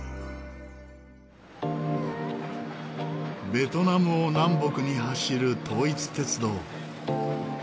ベトナムを南北に走る統一鉄道。